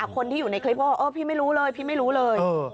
คนที่อยู่ในคลิปก็บอกเออพี่ไม่รู้เลยพี่ไม่รู้เลย